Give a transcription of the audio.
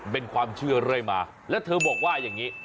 เป็นความเชื่อเรื่อยมาแล้วเธอบอกว่าอย่างนี้